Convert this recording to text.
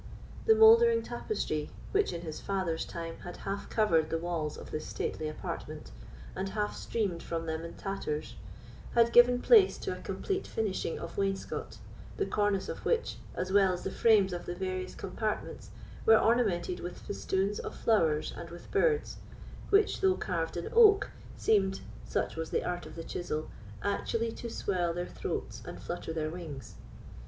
The mouldering tapestry, which, in his father's time, had half covered the walls of this stately apartment, and half streamed from them in tatters, had given place to a complete finishing of wainscot, the cornice of which, as well as the frames of the various compartments, were ornamented with festoons of flowers and with birds, which, though carved in oak, seemed, such was the art of the chisel, actually to swell their throats and flutter their wings.